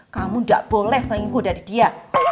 kamu tidak boleh selingkuh dari dia